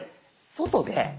外で。